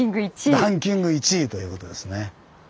ランキング１位ということですね。